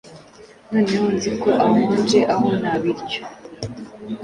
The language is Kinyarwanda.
Noneho nzi ko ahonje aho nta biryo